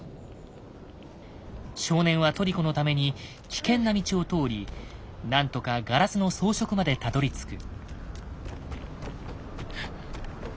少年はトリコのために危険な道を通り何とかガラスの装飾までたどりつく。